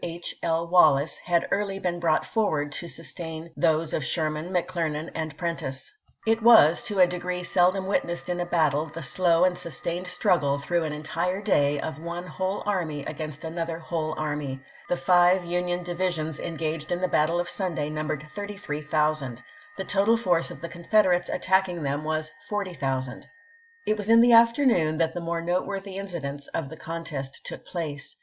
H. L. Wallace had early been brought forward to sustain those of Sherman, McClernand, and Prentiss. It was, to a degree seldom witnessed in a battle, the slow and sustained struggle, through an entire day, of one whole army against another whole army. The five Union divisions engaged in the battle of Sunday numbered 33,000.^ The total force of the Con federates attacking them was 40,000. It was in the afternoon that the more noteworthy incidents of the contest took place.